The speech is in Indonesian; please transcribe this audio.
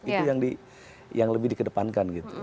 itu yang lebih dikedepankan gitu